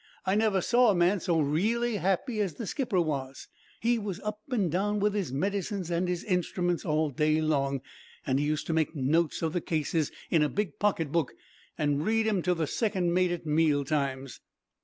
I never saw a man so reely happy as the skipper was. He was up an' down with his medicines and his instruments all day long, and used to make notes of the cases in a big pocketbook, and read 'em to the second mate at meal times.